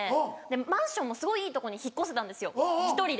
マンションもすごいいいとこに引っ越せたんですよ１人で。